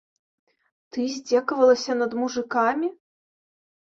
Ты здзекавалася над мужыкамі?